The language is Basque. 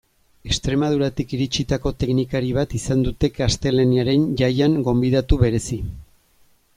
Extremaduratik iritsitako teknikari bat izan dute Gaztainaren Jaian gonbidatu berezi.